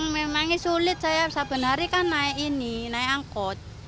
memang sulit saya sebenarnya kan naik ini naik angkot